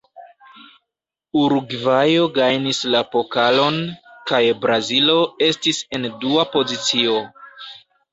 Urugvajo gajnis la pokalon, kaj Brazilo estis en dua pozicio.